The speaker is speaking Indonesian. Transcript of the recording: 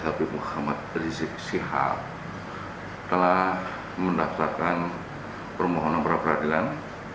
habib muhammad rizik syihab telah mendaftarkan permohonan praperadilan